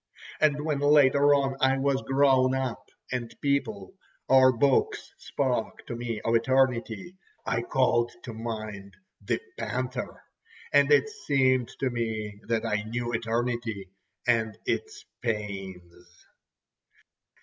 And when later on I was grown up, and people, or books, spoke to me of eternity, I called to mind the panther, and it seemed to me that I knew eternity and its pains.